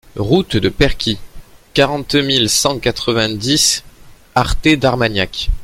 Route de Perquie, quarante mille cent quatre-vingt-dix Arthez-d'Armagnac